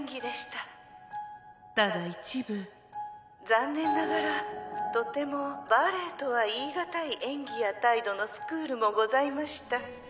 ただ一部残念ながらとてもバレエとは言い難い演技や態度のスクールもございました。